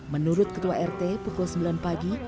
menurut ketua rt pukul sembilan pagi